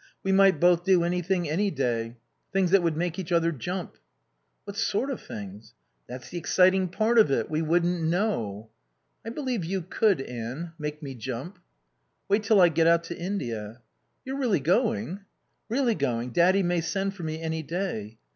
We might both do anything any day. Things that would make each other jump." "What sort of things?" "That's the exciting part of it we wouldn't know." "I believe you could, Anne make me jump." "Wait till I get out to India." "You're really going?" "Really going. Daddy may send for me any day."